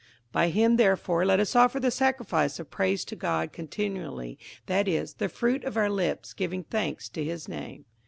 58:013:015 By him therefore let us offer the sacrifice of praise to God continually, that is, the fruit of our lips giving thanks to his name.